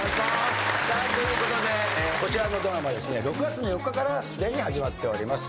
ということでこちらのドラマですね６月の４日からすでに始まっております。